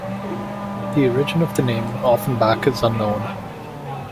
The origin of the name Ofenbach is unknown.